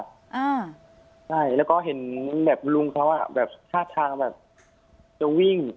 ใช่แล้วก็เห็นแบบลุงเขาอ่ะแบบท่าทางแบบจะวิ่ง